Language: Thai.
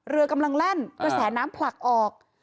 เรือกำลังแล่นกระแสน้ำผลักออก